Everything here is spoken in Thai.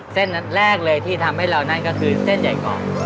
เส้นแรกเลยที่ทำให้เรานั่นก็คือเส้นใหญ่เกาะ